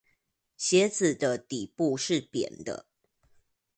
鞋子的底部是扁的